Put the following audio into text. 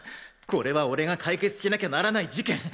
これは俺が解決しなきゃならない事件！